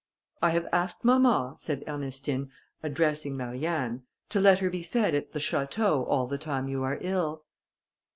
"I have asked mamma," said Ernestine, addressing Marianne, "to let her be fed at the château, all the time you are ill."